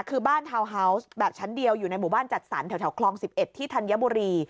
คือบ้านแบบชั้นเดียวอยู่ในหมู่บ้านจัดสรรแถวแถวคลองสิบเอ็ดที่ธัญบุรี